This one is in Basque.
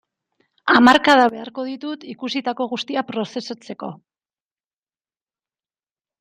Hamarkadak beharko ditut ikasitako guztia prozesatzeko.